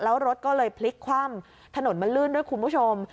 แล้วรถก็เลยพลิกคว่ำถนนมันลื่นด้วยคุณผู้ชม